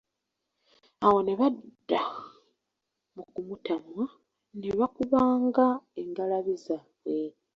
Awo ne badda mu kumutamwa, ne bakubanga engalabi zaabwe.